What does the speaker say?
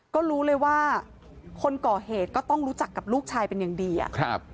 ก็รู้เลยว่าคนก่อเหตุก็ต้องรู้จักกับลูกชายเป็นอย่างดีอ่ะครับ